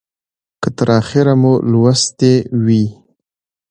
که تر اخیره مو لوستې وي